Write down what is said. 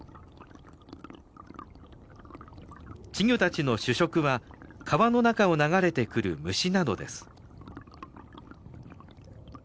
稚魚たちの主食は川の中を流れてくる虫などです。